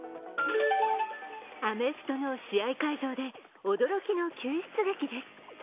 アメフトの試合会場で驚きの救出劇です。